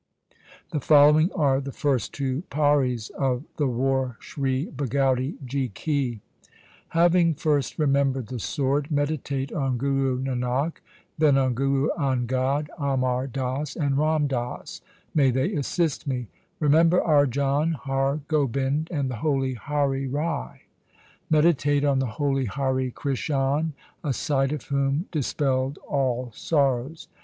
The following are the first two pauris of the ' War Sri Bhagauti ji ki.' SIKH. V G 82 THE SIKH RELIGION Having first remembered the Sword, meditate on Guru Nanak, Then on Guru Angad, Amar Das, and Ram Das ; may they assist me ! Remember Arjan, Har Gobind, and the holy Hari Rai ; Meditate on the holy Hari Krishan, a sight of whom dis pelled all sorrows.